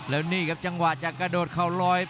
แล้วนี่ครับจังหวะจะกระโดดเข่าลอย